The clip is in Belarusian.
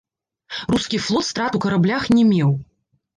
Рускі флот страт у караблях не меў.